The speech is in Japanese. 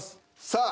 さあ。